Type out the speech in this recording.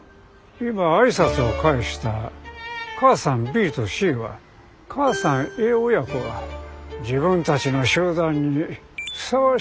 今挨拶を返した母さんＢとＣは母さんＡ親子が自分たちの集団にふさわしいか品定めしています。